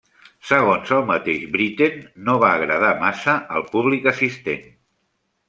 Segons el mateix Britten, no va agradar massa al públic assistent.